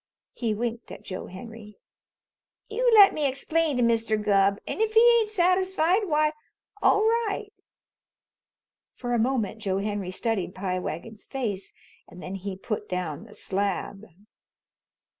He winked at Joe Henry. "You let me explain to Mr. Gubb, an' if he ain't satisfied, why all right." For a moment Joe Henry studied Pie Wagon's face, and then he put down the slab.